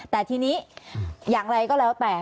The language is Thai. แต่ทีนี้อย่างไรก็แล้วแต่